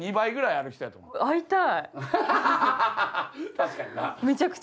確かにな。